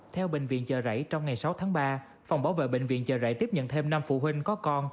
theo bệnh viện chợ rẫy trong ngày sáu tháng ba phòng bảo vệ bệnh viện chợ rẫy tiếp nhận thêm năm phụ huynh có con